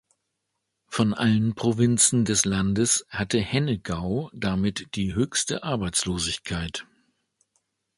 Von allen Provinzen des Landes hatte Hennegau damit die höchste Arbeitslosigkeit.